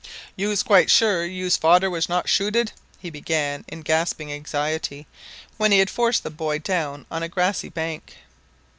"You's quite sure yous fadder was not shooted?" he began, in gasping anxiety, when he had forced the boy down on a grassy bank.